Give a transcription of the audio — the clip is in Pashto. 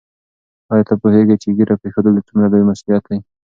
آیا ته پوهېږې چې ږیره پرېښودل څومره لوی مسؤلیت دی؟